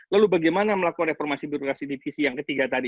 lalu bagaimana melakukan reformasi birokrasi divisi yang ketiga tadi